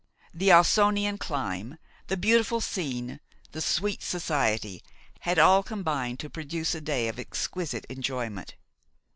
The Ausonian clime, the beautiful scene, the sweet society, had all combined to produce a day of exquisite enjoyment.